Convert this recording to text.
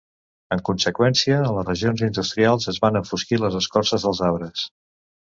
En conseqüència a les regions industrials es van enfosquir les escorces dels arbres.